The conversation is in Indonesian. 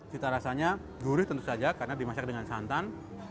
cita rasanya gurih tentu saja karena dimasak dengan santan